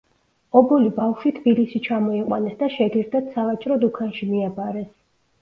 ობოლი ბავშვი თბილისში ჩამოიყვანეს და შეგირდად სავაჭრო დუქანში მიაბარეს.